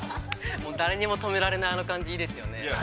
◆もう誰にも止められない、あの感じいいですよね。